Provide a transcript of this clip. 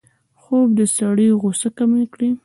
خوب د سړي غوسه کمه کړي